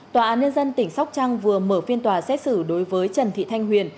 tòa án nhân dân tỉnh sóc trăng vừa mở phiên tòa xét xử đối với trần thị thanh huyền